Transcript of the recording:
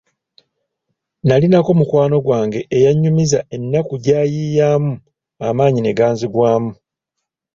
Nnalinako mukwano gwange eyanyumiza ennaku gy'ayiyamu amaanyi ne ganzigwamu.